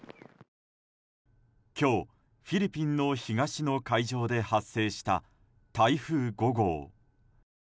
今日、フィリピンの東の海上で発生した台風５号。